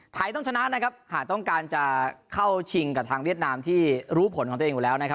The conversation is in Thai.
ต้องชนะนะครับหากต้องการจะเข้าชิงกับทางเวียดนามที่รู้ผลของตัวเองอยู่แล้วนะครับ